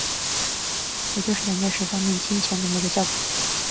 这也是蒋介石方面金钱拢络的效果。